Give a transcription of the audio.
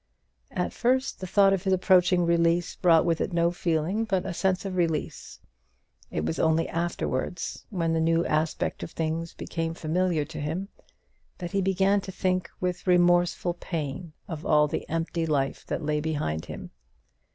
At first, the thought of his approaching release brought with it no feeling but a sense of release. It was only afterwards, when the new aspect of things became familiar to him, that he began to think with remorseful pain of all the empty life that lay behind him.